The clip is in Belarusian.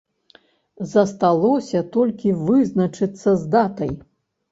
Засталося толькі вызначыцца з датай.